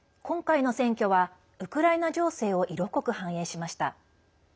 今回の選挙はウクライナ情勢を色濃く反映しました。